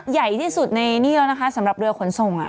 ใหญ่ที่สุดในนี่แล้วนะคะสำหรับเรือขนส่ง